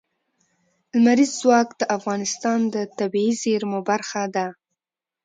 لمریز ځواک د افغانستان د طبیعي زیرمو برخه ده.